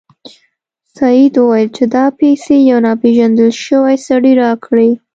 سید وویل چې دا پیسې یو ناپيژندل شوي سړي راکړې.